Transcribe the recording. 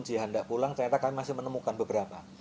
jihanda pulang ternyata kami masih menemukan beberapa